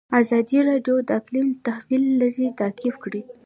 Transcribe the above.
ازادي راډیو د اقلیم د تحول لړۍ تعقیب کړې.